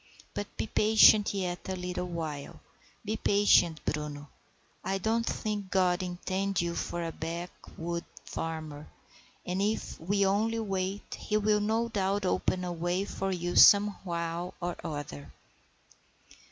But be patient yet a little while; be patient, Bruno. I don't think God intended you for a backwoods farmer, and if we only wait he will no doubt open a way for you somehow or other."